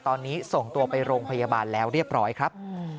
ตอนนี้ส่งตัวไปโรงพยาบาลแล้วเรียบร้อยครับ